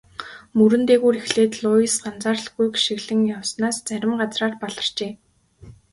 Мөрөн дээгүүр эхлээд Луис анзааралгүй гишгэлэн явснаас зарим газраар баларчээ.